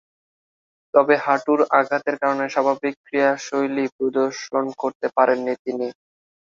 তবে হাঁটুর আঘাতের কারণে স্বাভাবিক ক্রীড়াশৈলী প্রদর্শন করতে পারেননি তিনি।